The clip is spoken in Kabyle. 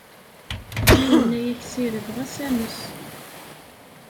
Ma yenna-yak sired, ɣas ames.